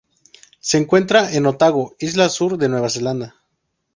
Se encuentra en Otago, Isla Sur de Nueva Zelanda.